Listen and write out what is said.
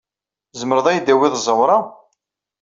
Tzemreḍ ad yi-d-tawiḍ ẓẓawra?